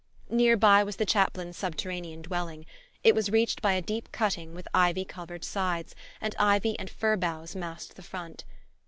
Near by was the chaplain's subterranean dwelling. It was reached by a deep cutting with ivy covered sides, and ivy and fir boughs masked the front.